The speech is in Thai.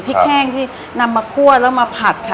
แห้งที่นำมาคั่วแล้วมาผัดค่ะ